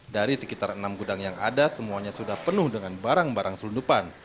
dari sekitar enam gudang yang ada semuanya sudah penuh dengan barang barang selundupan